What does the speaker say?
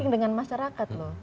dengan masyarakat loh